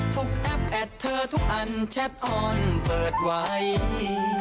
แอปแอดเธอทุกอันแชทออนเปิดไว้